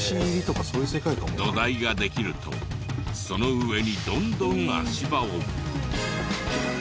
土台ができるとその上にどんどん足場を。